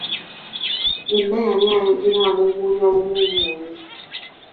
Yenna yali ayogera amuumuunya bumuumuunyi.